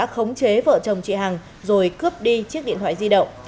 kế vợ chồng chị hằng rồi cướp đi chiếc điện thoại di động